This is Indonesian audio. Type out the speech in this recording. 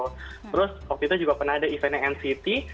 terus waktu itu juga pernah ada event nya nct